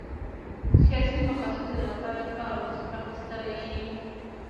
د سیاسي مقاصدو لپاره کار ورڅخه اخیستلای شي.